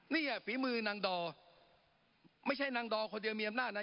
เนี่ยฝีมือนางดอไม่ใช่นางดอคนเดียวมีอำนาจนะ